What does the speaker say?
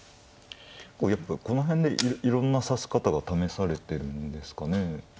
やっぱこの辺でいろんな指し方が試されてるんですかね。